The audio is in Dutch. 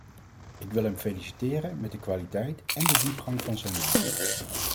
Ik wil hem feliciteren met de kwaliteit en de diepgang van zijn werk.